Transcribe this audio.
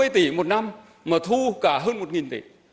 hai mươi tỷ một năm mà thu cả hơn một tỷ